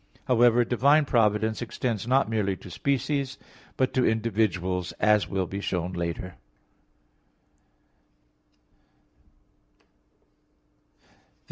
However, divine providence extends not merely to species; but to individuals as will be shown later (Q.